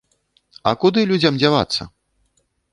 А куды людзям дзявацца?